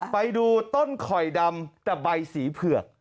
ไปดูต้นข่อยดำแต่ใบสีเผือก